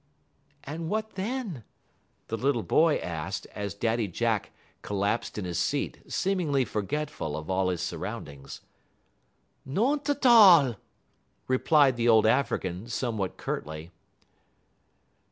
_'" "And what then?" the little boy asked, as Daddy Jack collapsed in his seat, seemingly forgetful of all his surroundings. "No'n 't all," replied the old African, somewhat curtly.